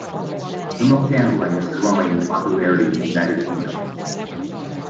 Remote gambling is growing in popularity in the United Kingdom.